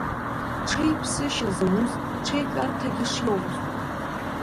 Ҽеи ԥсышьа зоуз, ҽеи тәарҭагьы шиоуаз.